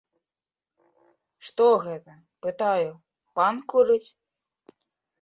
Што гэта, пытаю, пан курыць?